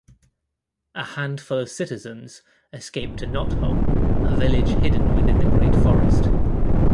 A handful of citizens escape to Knothole, a village hidden within the Great Forest.